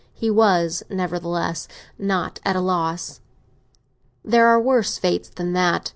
He was nevertheless not at a loss. "There are worse fates than that!"